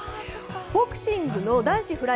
ボクシング男子フライ